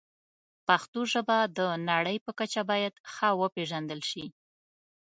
پښتو ژبه د نړۍ په کچه باید ښه وپیژندل شي.